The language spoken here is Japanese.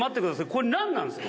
これ何なんですか？